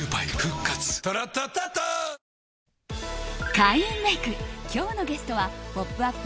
開運メイク、今日のゲストは「ポップＵＰ！」